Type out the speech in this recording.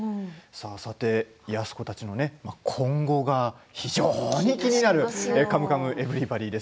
さて、安子たちの今後が非常に気になる「カムカムエヴリバディ」